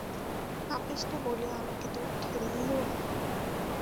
পাপিষ্ঠা বলিয়া আমাকে তুমি ঠেলিয়ো না।